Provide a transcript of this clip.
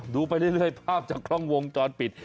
ไปเรื่อยภาพจากกล้องวงจรปิด